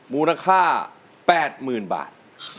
มูลค่า๘๐๐๐บาท